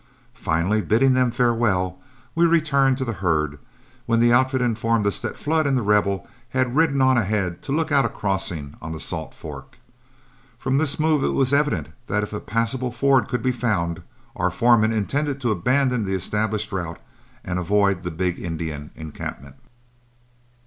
Finally bidding them farewell, we returned to the herd, when the outfit informed us that Flood and The Rebel had ridden on ahead to look out a crossing on the Salt Fork. From this move it was evident that if a passable ford could be found, our foreman intended to abandon the established route and avoid the big Indian encampment.